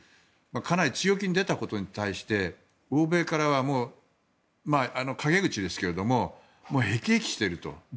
かなり強気に出たことに対して欧米からは陰口ですけどももう辟易していると。